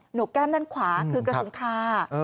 หนูแก้มด้านขวาคือกระสุนคา